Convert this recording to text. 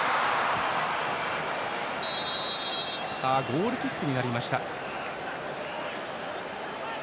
ゴールキックになりました。